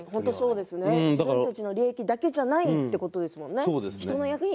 自分たちの利益だけじゃないということですよね